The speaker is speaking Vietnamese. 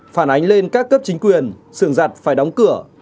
phản ánh lên các cấp chính quyền sửang giặt phải đóng cửa